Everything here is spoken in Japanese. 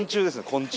昆虫。